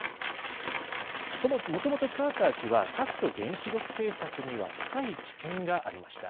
もともとカーター氏は核と原子力政策には深い知見がありました。